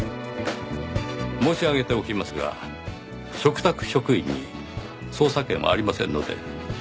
申し上げておきますが嘱託職員に捜査権はありませんので。